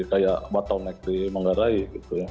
kayak baton nekri manggarai gitu ya